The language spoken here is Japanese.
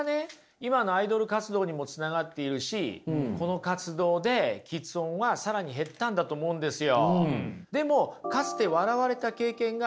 今のアイドル活動にもつながっているしこの活動できつ音は更に減ったんだと思うんですよ。